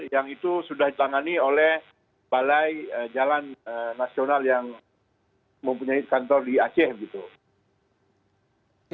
yang itu sudah ditangani oleh balai jalan nasional yang mempunyai kantor di aceh gitu